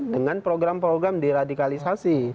dengan program program deradikalisasi